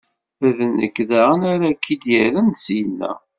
D nekk daɣen ara k-id-irren syenna.